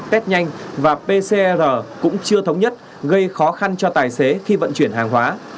test nhanh và pcr cũng chưa thống nhất gây khó khăn cho tài xế khi vận chuyển hàng hóa